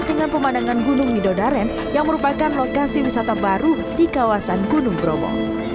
dengan pemandangan gunung widodaren yang merupakan lokasi wisata baru di kawasan gunung bromo